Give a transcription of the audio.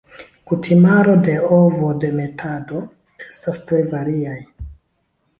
Kutimaro de ovodemetado estas tre variaj.